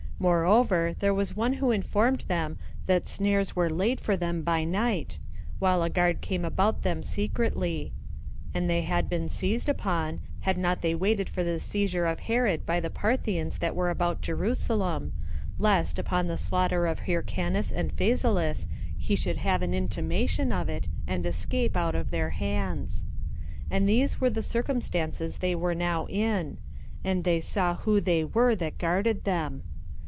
Moreover, there was one who informed them that snares were laid for them by night, while a guard came about them secretly; and they had then been seized upon, had not they waited for the seizure of Herod by the Parthians that were about Jerusalem, lest, upon the slaughter of Hyrcanus and Phasaelus, he should have an intimation of it, and escape out of their hands. And these were the circumstances they were now in; and they saw who they were that guarded them.